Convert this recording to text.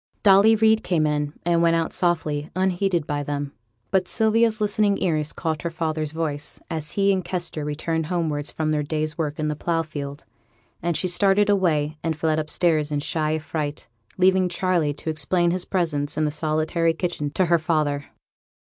Dolly Reid came in, and went out softly, unheeded by them. But Sylvia's listening ears caught her father's voice, as he and Kester returned homewards from their day's work in the plough field; and she started away, and fled upstairs in shy affright, leaving Charley to explain his presence in the solitary kitchen to her father.